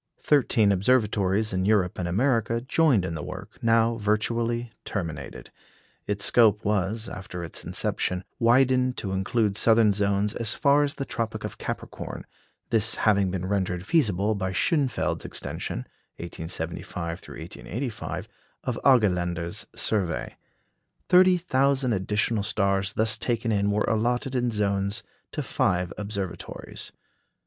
Thirteen observatories in Europe and America joined in the work, now virtually terminated. Its scope was, after its inception, widened to include southern zones as far as the Tropic of Capricorn; this having been rendered feasible by Schönfeld's extension (1875 1885) of Argelander's survey. Thirty thousand additional stars thus taken in were allotted in zones to five observatories.